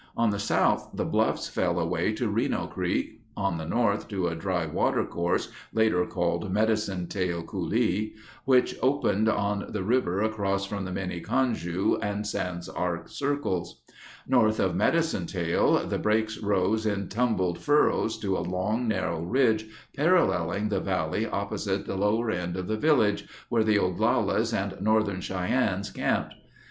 On the south the bluffs fell away to Reno Creek, on the north to a dry water course later called Medicine Tail Coulee, which opened on the river across from the Miniconjou and Sans Arc circles. North of Medicine Tail the breaks rose in tumbled furrows to a long narrow ridge paralleling the valley opposite the lower end of the village, where the Oglalas and Northern Cheyennes camped.